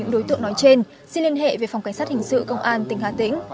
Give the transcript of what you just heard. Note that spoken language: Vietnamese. bốn đối tượng nói trên xin liên hệ về phòng cảnh sát hình sự công an tỉnh hà tĩnh